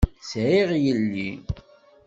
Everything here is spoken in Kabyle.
Sɛiɣ yelli.